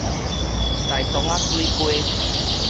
大同仔水雞